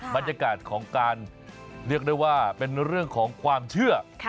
บรรยากาศของการเรียกได้ว่าเป็นเรื่องของความเชื่อ